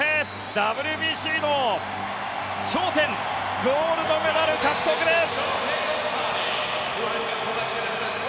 ＷＢＣの頂点ゴールドメダル獲得です。